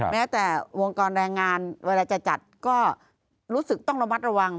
แม้แต่วงกรแรงงานเวลาจะจัดก็รู้สึกต้องระมัดระวัง